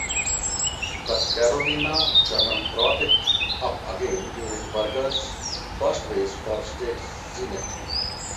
The Carolina Journal brought it up again during Berger's first race for state senate.